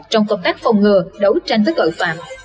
trong công tác phòng ngừa đấu tranh với tội phạm